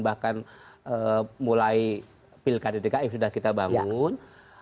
bahkan mulai pil kddki sudah kita bangun